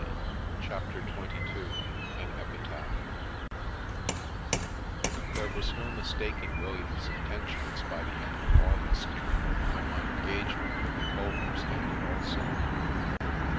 183 CHAPTER XXH AN EPITAPH THERE was no mistaking William's intentions by the end of August, when my engagement with the Culvers ended also.